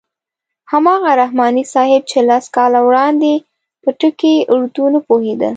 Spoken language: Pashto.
هماغه رحماني صاحب چې لس کاله وړاندې په ټکي اردو نه پوهېده.